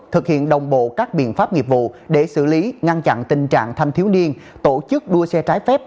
thực hiện đồng bộ các biện pháp nghiệp vụ để xử lý ngăn chặn tình trạng thanh thiếu niên tổ chức đua xe trái phép